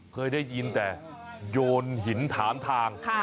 เคยได้ยินแต่โยนหินถามทาง